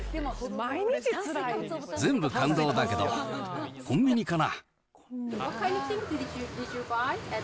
全部感動だけど、コンビニかな。